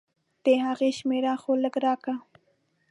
د هغه شميره خو لګه راکه.